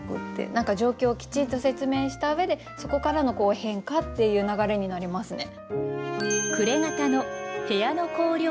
何か状況をきちんと説明した上でそこからの変化っていう流れになりますね。